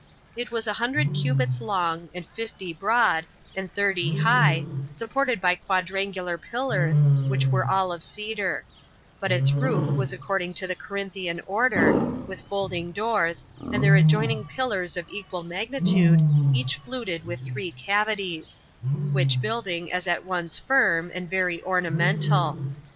It was a hundred cubits long, and fifty broad, and thirty high, supported by quadrangular pillars, which were all of cedar; but its roof was according to the Corinthian order, 14 with folding doors, and their adjoining pillars of equal magnitude, each fluted with three cavities; which building as at once firm, and very ornamental.